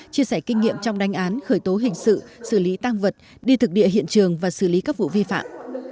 chia sẻ kinh nghiệm trong đánh án khởi tố hình sự xử lý tang vật đi thực địa hiện trường và xử lý các vụ vi phạm